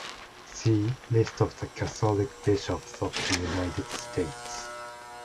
See "List of the Catholic bishops of the United States"